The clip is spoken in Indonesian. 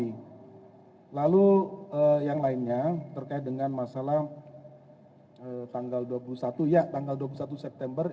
kemudian lalu yang lainnya terkait dengan masalah tanggal dua puluh satu september